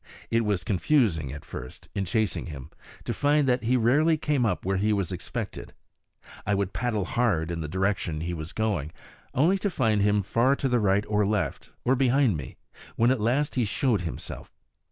It was confusing at first, in chasing him, to find that he rarely came up where he was expected. I would paddle hard in the direction he was going, only to find him far to the right or left, or behind me, when at last he showed himself.